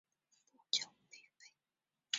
不久被废。